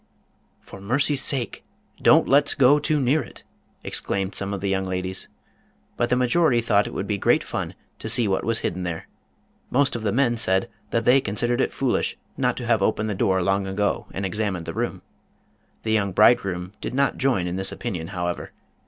" For mercy's sake, don't let's go too near it! " exclaimed some of the young ladies. But the majority thought it would be great fun to see what was hidden there. Most of the men said that they considered it foolish not to have opened the door long ago, and examined the room. The young bridegroom did not join in this opinion, however.